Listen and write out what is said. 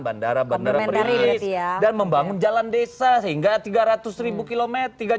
bandara bandara merilis dan membangun jalan desa hingga tiga ratus ribu kilometer